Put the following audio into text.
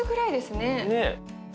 ねえ。